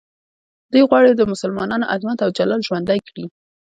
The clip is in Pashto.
دوی غواړي د مسلمانانو عظمت او جلال ژوندی کړي.